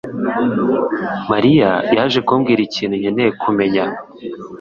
mariya yaje kumbwira ikintu nkeneye kumenya